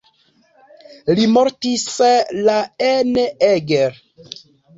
Li mortis la en Eger.